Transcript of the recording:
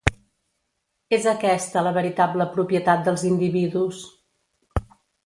És aquesta la veritable propietat dels individus.